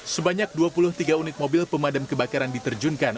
sebanyak dua puluh tiga unit mobil pemadam kebakaran diterjunkan